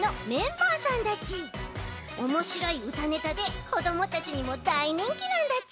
おもしろいうたネタでこどもたちにもだいにんきなんだち。